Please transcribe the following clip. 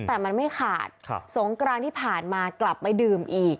แต่มันไม่ขาดสงกรานที่ผ่านมากลับไปดื่มอีก